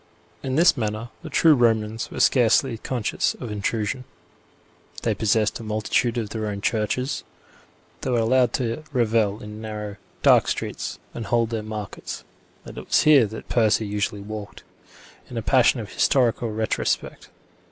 In this manner the true Romans were scarcely conscious of intrusion; they possessed a multitude of their own churches, they were allowed to revel in narrow, dark streets and hold their markets; and it was here that Percy usually walked, in a passion of historical retrospect.